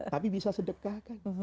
tapi bisa sedekah